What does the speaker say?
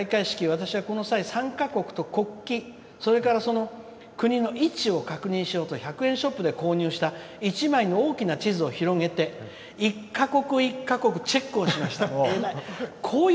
私は参加国と国旗、その国の位置を確認しようと１００円ショップで購入した１枚の大きな地図を広げて一か国一か国チェックをしました」。